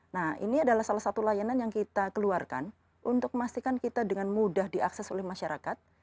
nah ini adalah salah satu layanan yang kita keluarkan untuk memastikan kita dengan mudah diakses oleh masyarakat